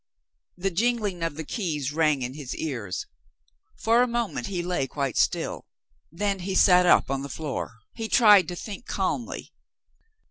The jingling of the keys rang in his ears. For a moment, he lay quite still. Then, he sat up on the floor. He tried to think calmly.